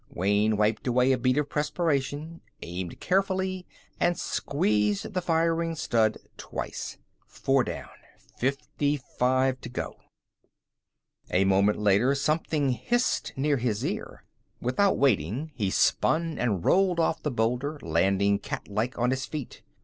Wayne wiped away a bead of perspiration, aimed carefully, and squeezed the firing stud twice. Four down. Fifty five to go. A moment later, something hissed near his ear. Without waiting, he spun and rolled off the boulder, landing cat like on his feet.